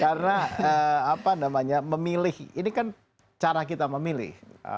karena apa namanya memilih ini kan cara kita memilih